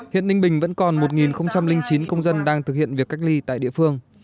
hiện ninh bình vẫn còn một chín công dân đang thực hiện việc cách ly tại địa phương